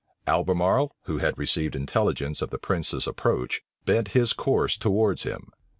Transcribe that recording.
Albemarle, who had received intelligence of the prince's approach, bent his course towards him.